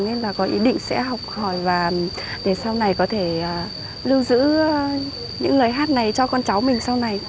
nên là có ý định sẽ học hỏi và để sau này có thể lưu giữ những lời hát này cho con cháu mình sau này